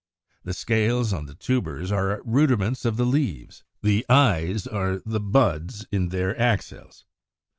The scales on the tubers are the rudiments of leaves; the eyes are the buds in their axils.